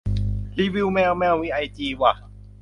รีวิวแมว แมวมีไอจีว่ะ